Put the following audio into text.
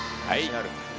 はい。